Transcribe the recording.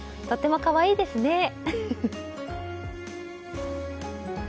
とってもかわいいですね。